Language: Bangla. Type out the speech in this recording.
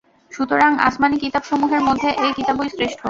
সুতরাং আসমানী কিতাবসমূহের মধ্যে এ কিতাবই শ্রেষ্ঠ।